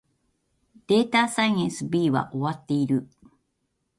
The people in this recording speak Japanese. データサイエンス B は終わっている